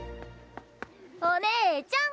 お姉ちゃん！